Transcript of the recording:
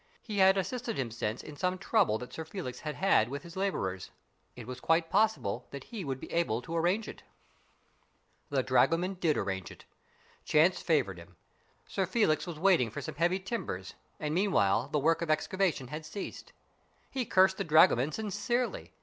He had assisted him since in some trouble that Sir Felix had had with his labourers. It was quite possible that he would be able to arrange it. BURDON'S TOMB 73 The dragoman did arrange it. Chance favoured him. Sir Felix was waiting for some heavy timbers, and meanwhile the work of excavation had ceased. He cursed the dragoman sincerely.